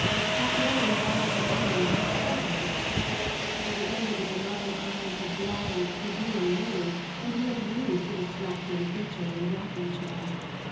That name brought up the memory of his courting days. It was under the benign eyes of blonde, plebeian Milly that he had wooed the distracting creature in the rocking chair.